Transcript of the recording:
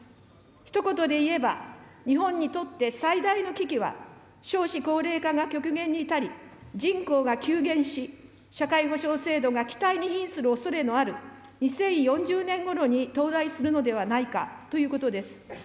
ひと言でいえば、日本にとって最大の危機は、少子高齢化が極限に至り、人口が急減し、社会保障制度が危殆にひんするおそれのある２０４０年ごろに到来するのではないかということです。